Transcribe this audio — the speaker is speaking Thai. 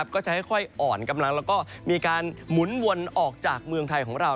ก็จะค่อยอ่อนกำลังแล้วก็มีการหมุนวนออกจากเมืองไทยของเรา